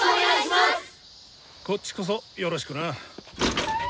こっちこそよろしくな。